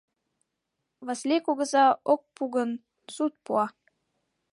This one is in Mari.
Васлий кугыза ок пу гын, суд пуа.